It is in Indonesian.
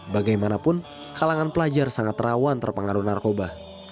bagaimanapun kalangan pelajar sangat rawan terpengaruh narkoba